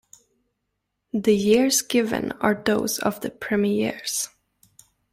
The years given are those of the premieres.